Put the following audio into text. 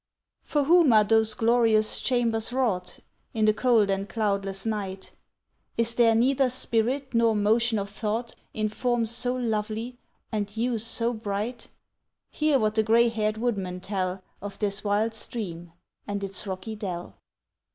For whom are those glorious chambers wrought, In the cold and cloudless night? Is there neither spirit nor motion of thought In forms so lovely, and hues so bright? Hear what the gray haired woodmen tell Of this wild stream and its rocky dell.